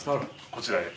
こちらへ。